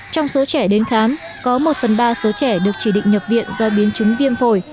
trong số trẻ đến khám có một phần ba số trẻ được chỉ định nhập viện do biến chứng viêm phổi